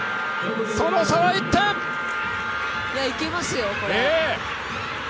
いけますよ、これ。